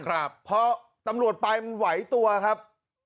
เพราะตำรวจปลายมันไหวตัวครับ